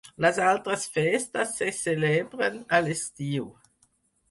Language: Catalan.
Les altres festes se celebren a l'estiu.